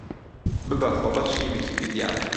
ببە خۆبەخشی ویکیپیدیا